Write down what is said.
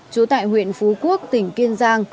trú tại huyện phú quốc tỉnh kiên giang